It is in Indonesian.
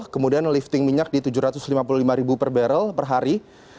kemudian lifting minyak di tujuh ratus lima puluh lima per barrel per hari